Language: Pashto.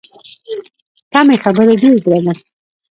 کمې خبرې، ډېر درنښت.